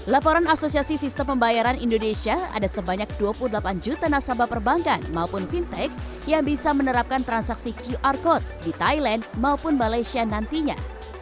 laporan asosiasi sistem pembayaran indonesia ada sebanyak dua puluh delapan juta nasabah perbankan maupun fintech yang bisa menerapkan transaksi qr code di thailand maupun malaysia nantinya